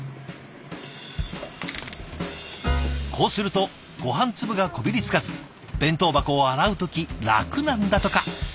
こうするとごはん粒がこびりつかず弁当箱を洗う時楽なんだとか。